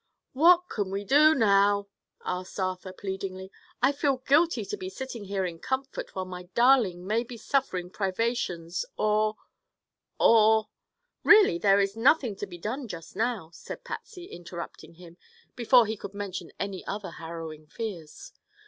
"What can we do now?" asked Arthur pleadingly. "I feel guilty to be sitting here in comfort while my darling may be suffering privations, or—or—" "Really, there is nothing more to be done, just now," said Patsy, interrupting him before he could mention any other harrowing fears.